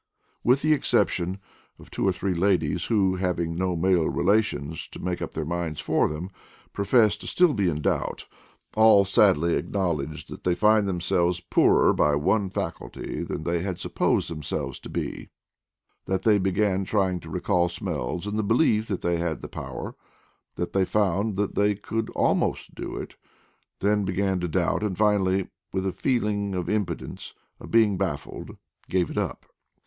With the exception of two or three ladies, who, having no male relations to make up their minds for them, profess to be still in doubt, all sadly acknowledged that they find themselves poorer by one faculty than they had supposed themselves to be; that they began trying to recall smells in the belief that they had the power; that they found that they could almost do it, then began to doubt, and finally with a feeling of impotence, of being baffled, gave it up.